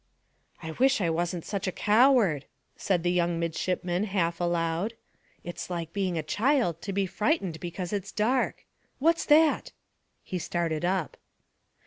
"I wish I wasn't such a coward," said the young midshipman, half aloud. "It's like being a child to be frightened because it's dark. What's that!" He started up.